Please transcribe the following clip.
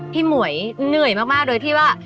หมวยเหนื่อยมากโดยที่ว่า